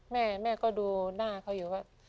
แม่แม่ก็ดูหน้าเขาอยู่ว่า